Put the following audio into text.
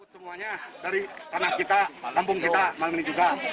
semuanya dari tanah kita kampung kita malam ini juga